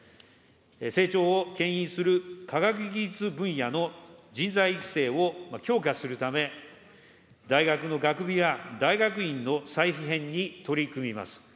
成長をけん引する科学技術分野の人材育成を強化するため、大学の学部や大学院の再編に取り組みます。